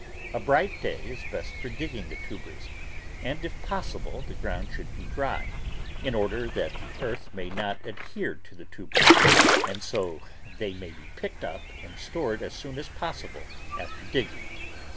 A bright day is best for dig ging the tubers, and if possible the ground should be dry in order that the earth may not adhere to the tubers and so that they may be picked up and stored as soon as possible after digging.